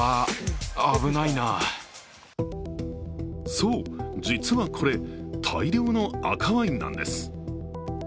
そう、実はこれ、大量の赤ワインなんです。